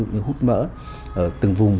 như hút mỡ từng vùng